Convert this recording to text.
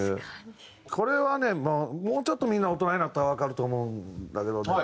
これはねもうちょっとみんな大人になったらわかると思うんだけどね。